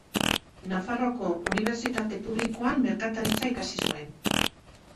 Nafarroako Unibertsitate Publikoan merkataritza ikasi zuen.